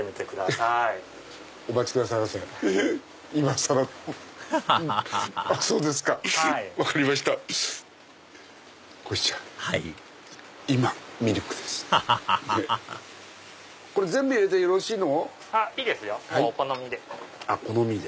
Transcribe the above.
いいですよ。お好みで。